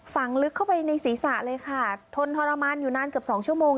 ลึกเข้าไปในศีรษะเลยค่ะทนทรมานอยู่นานเกือบสองชั่วโมง